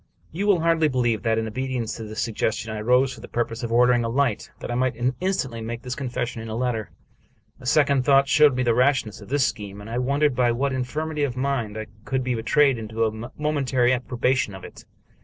You will hardly believe that, in obedience to this sug gestion, I rose for the purpose of ordering a light, that I might instantly make this confession in a letter. A second thought showed me the rashness of this scheme, and I won dered by what infirmity of mind I could be betrayed into a momentary approbation of it.